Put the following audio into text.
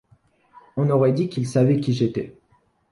On aurait dit qu’il savait qui j’étais.